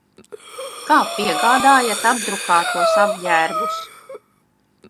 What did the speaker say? Kā piegādājat apdrukātos apģērbus?